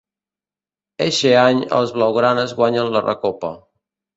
Eixe any els blaugranes guanyen la Recopa.